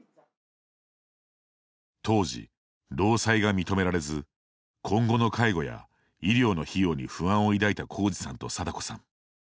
当時、労災が認められず今後の介護や医療の費用に不安を抱いた浩直さんと貞子さん。